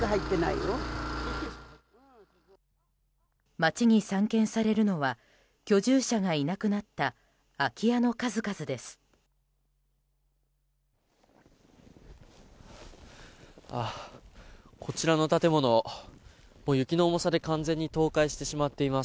街に散見されるのは居住者がいなくなった空き家の数々です。